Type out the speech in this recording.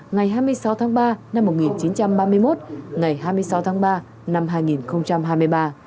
ngày hai mươi sáu tháng ba năm một nghìn chín trăm ba mươi một ngày hai mươi sáu tháng ba năm hai nghìn hai mươi ba